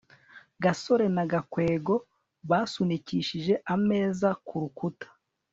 gasore na gakwego basunikishije ameza ku rukuta